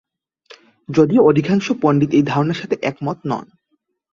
যদিও অধিকাংশ পণ্ডিত এই ধারণার সাথে একমত নন।